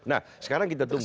nah sekarang kita tunggu